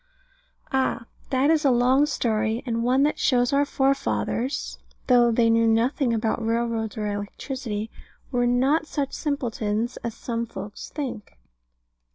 Ah, that is a long story; and one that shows our forefathers (though they knew nothing about railroads or electricity) were not such simpletons as some folks think.